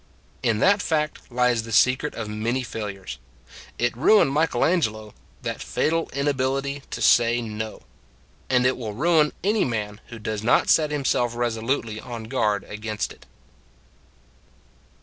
In that fact lies the secret of many fail ures. It ruined Michelangelo that fa tal inability to say " No! " And it will ruin any man who does not set himself resolutely on guard against it.